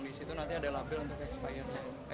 di situ nanti ada label untuk expirednya